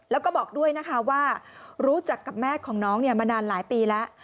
แล้วก็บอกด้วยนะคะว่ารู้จักกับแม่ของน้องมานานหลายปีแล้ว